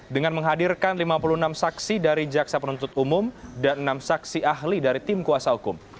dengan menghadirkan lima puluh enam saksi dari jaksa penuntut umum dan enam saksi ahli dari tim kuasa hukum